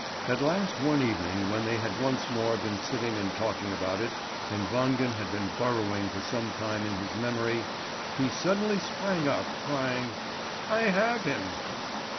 At last one evening, when they had once more been sitting and talking about it, and Wangen had been burrowing for some time in his memory, he suddenly sprang up, crying: "I have him!"